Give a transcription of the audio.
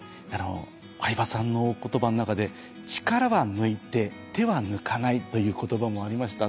相葉さんの言葉の中で「力は抜いて手は抜かない」という言葉もありました